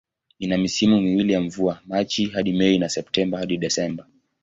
Ina misimu miwili ya mvua, Machi hadi Mei na Septemba hadi Disemba.